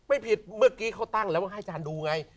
ไม่ผิดเมื่อกี้เขาตั้งแล้วมาให้อาจารย์ดูไง